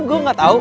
gue gak tau